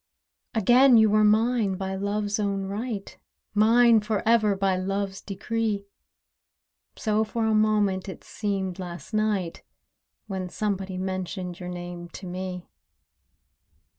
Again you were mine by Love's own right— Mine for ever by Love's decree: So for a moment it seemed last night, When somebody mentioned your name to me.